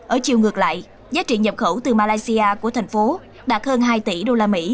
ở chiều ngược lại giá trị nhập khẩu từ malaysia của thành phố đạt hơn hai tỷ usd